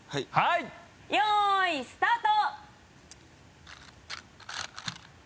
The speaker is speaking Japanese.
よいスタート！